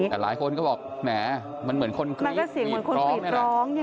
แต่หลายคนก็บอกแหมมันเหมือนคนกลีบร้อง